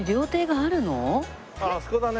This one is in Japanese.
あっあそこだね。